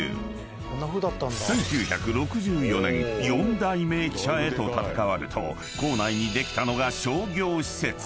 ［１９６４年４代目駅舎へと建て替わると構内にできたのが商業施設］